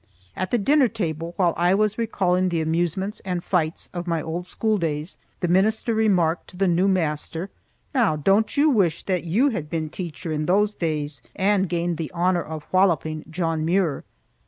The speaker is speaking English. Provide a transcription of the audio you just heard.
At the dinner table, while I was recalling the amusements and fights of my old schooldays, the minister remarked to the new master, "Now, don't you wish that you had been teacher in those days, and gained the honor of walloping John Muir?"